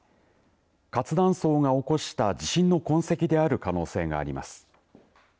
活断層が起こした地震の痕跡である可能性があります。